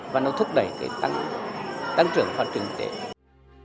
và nó thúc đẩy cái tăng trưởng phát triển kinh tế